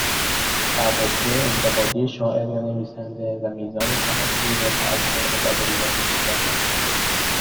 بررسی انتقادی شاعر یا نویسنده و میزان تاثیر و تاثر از ادبیات بیگانه